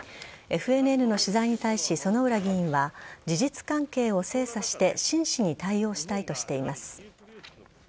ＦＮＮの取材に対し薗浦議員は事実関係を精査して真摯に対応したいとしています。